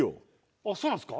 あっそうなんすか？